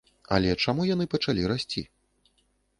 Але чаму яны пачалі расці?